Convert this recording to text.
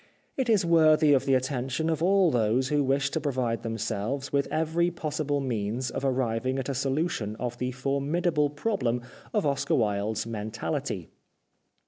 It is worthy of the attention of all those who wish to provide themselves with every possible means of arriving at a solution of the formidable problem of Oscar Wilde's mentality.